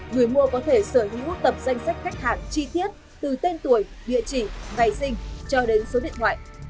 người mua có thể sở hữu tập danh sách khách hàng chi tiết từ tên tuổi địa chỉ ngày sinh cho đến số điện thoại